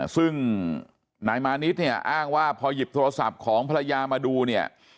ซึ่งนายมานิดเนี่ยอ้างว่าพอหยิบโทรศัพท์ของภรรยามาดูเนี่ย